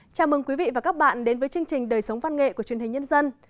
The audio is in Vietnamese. chào mừng quý vị và các bạn đến với chương trình đời sống văn nghệ của truyền hình nhân dân